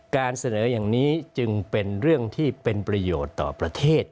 เสนออย่างนี้จึงเป็นเรื่องที่เป็นประโยชน์ต่อประเทศ